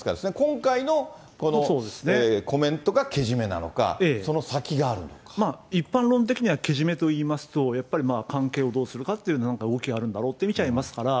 今回のこのコメントがけじめなのか、まあ一般論的にはけじめといいますと、やっぱり関係をどうするかという、なんか動きがあるんだろうって見ちゃいますから。